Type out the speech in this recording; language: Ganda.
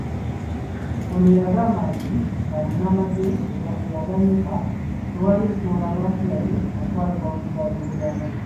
Ono yagamba nti nga munnamagye eyagannyuka, tewaali nsonga lwaki yali atwalibwa mu ddwaliro ly'amagye.